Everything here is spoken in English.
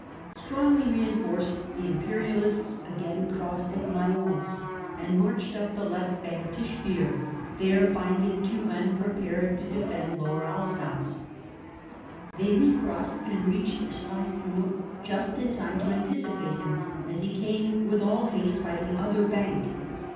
Strongly reinforced, the imperialists again crossed at Mayence, and marched up the left bank to Spire ; there, finding Turenne prepared to defend Lower Alsace, they recrossed, and reached Strassburg just in time to anticipate him, as he came with all haste by the other bank.